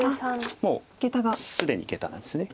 もう既にゲタなんです。